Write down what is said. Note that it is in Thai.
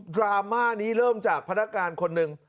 ดราม่านี้เริ่มจากพนักงานคนหนึ่ง